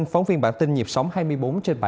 phóng viên bản tin nhịp sống hai mươi bốn h